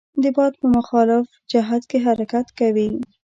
د باد په مخالف جهت کې حرکت کوي.